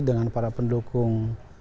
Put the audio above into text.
dengan para pendukung